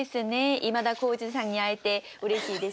今田耕司さんに会えてうれしいです。